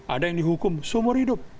ada yang dihukum seumur hidup